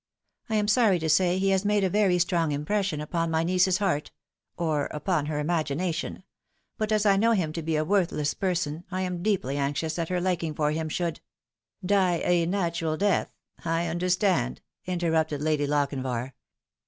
I am sorry to Looking Book. 285 gay he has made a very strong impression upon my niece's heart or upon her imagination but as I know him to be a worth less person, I am deeply anxious that her liking for him should "" Die a natural death. I understand," interrupted Lady Lochinvar.